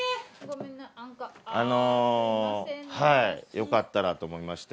よかったらと思いまして。